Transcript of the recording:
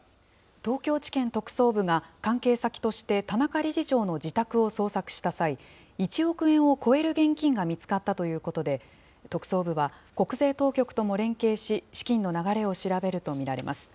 東京地検特捜部が、関係先として田中理事長の自宅を捜索した際、１億円を超える現金が見つかったということで、特捜部は、国税当局とも連携し、資金の流れを調べると見られます。